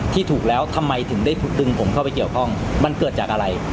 ที่ถูกแล้วทำไมถึงได้ดึงผมเข้าไปเกี่ยวข้องมันเกิดจากอะไร